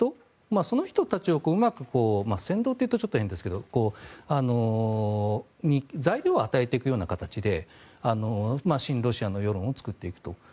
その人たちをうまく扇動というとちょっと変ですけど材料を与えていくような形で親ロシアの世論を作っていくと。